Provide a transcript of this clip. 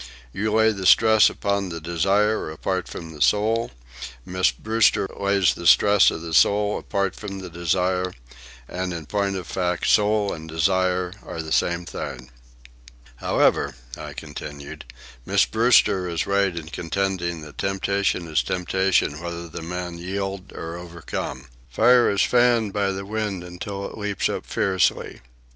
You lay the stress upon the desire apart from the soul, Miss Brewster lays the stress on the soul apart from the desire, and in point of fact soul and desire are the same thing. "However," I continued, "Miss Brewster is right in contending that temptation is temptation whether the man yield or overcome. Fire is fanned by the wind until it leaps up fiercely.